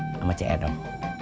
sama c adam